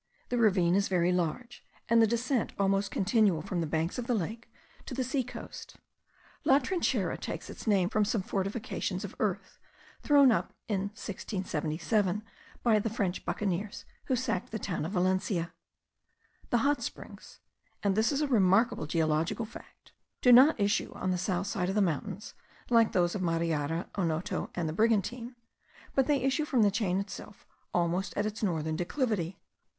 The ravine is very large, and the descent almost continual from the banks of the lake to the sea coast. La Trinchera takes its name from some fortifications of earth, thrown up in 1677 by the French buccaneers, who sacked the town of Valencia. The hot springs (and this is a remarkable geological fact,) do not issue on the south side of the mountains, like those of Mariara, Onoto, and the Brigantine; but they issue from the chain itself almost at its northern declivity.